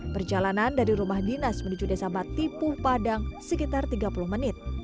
perjalanan dari rumah dinas menuju desa batipu padang sekitar tiga puluh menit